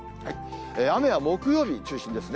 雨は木曜日中心ですね。